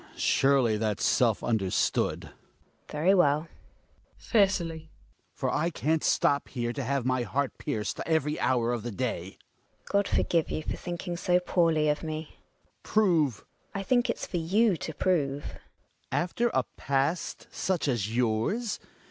Surely that's self understood. GiNA. Very well. Hjalmar {fiercely). For I can't stop here to have my heart pierced every hour of the day ! GiNA. God forgive you, for thinking so poorly of me. Hjalmar. Prove GiNA. I think it's for you to prove. Hjalmar. After a past such as yours